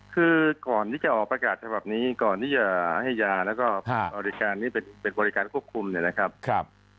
คือก่อนที่จะออกประกาศฉบับนี้ก่อนที่จะให้ยาแล้วก็บริการนี้เป็นบริการควบคุมเนี่ยนะครับ